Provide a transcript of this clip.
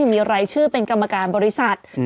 มีรายชื่อเป็นกรรมการบริษัท